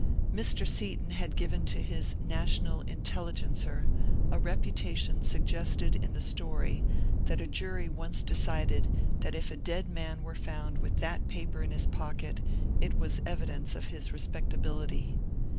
Mr. Seaton had given to his ^^ National Intelligencer '' a reputation suggested in the story that a jury once decided that if a dead man were found with that paper in his pocket, it was evidence of his respectability.